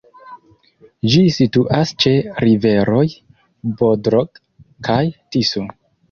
Ĝi situas ĉe riveroj Bodrog kaj Tiso.